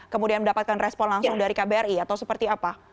kemudian mendapatkan respon langsung dari kbri atau seperti apa